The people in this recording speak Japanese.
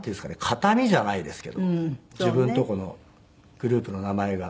形見じゃないですけど自分のとこのグループの名前が。